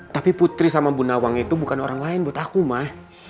tapi putri sama bu nawang itu bukan orang lain buat aku mah